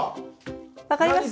分かります？